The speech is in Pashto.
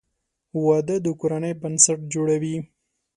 • واده د کورنۍ بنسټ جوړوي.